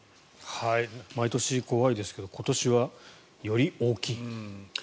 毎年、怖いですけど今年はより大きい。